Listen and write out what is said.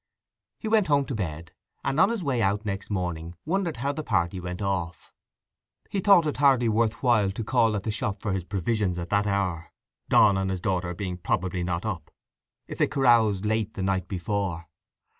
He went home to bed, and on his way out next morning wondered how the party went off. He thought it hardly worth while to call at the shop for his provisions at that hour, Donn and his daughter being probably not up, if they caroused late the night before.